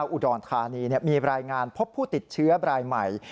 อุดรธานีมีรายงานพบผู้ติดเชื้อรายใหม่